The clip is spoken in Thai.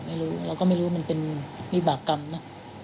ไม่รู้เราก็ไม่รู้มันเป็นวิบากรรมนะ